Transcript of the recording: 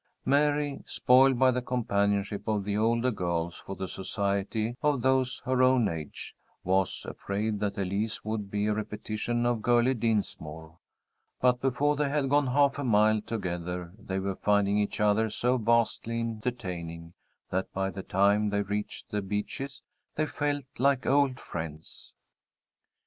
Mary, spoiled by the companionship of the older girls for the society of those her own age, was afraid that Elise would be a repetition of Girlie Dinsmore; but before they had gone half a mile together they were finding each other so vastly entertaining that by the time they reached The Beeches they felt like old friends.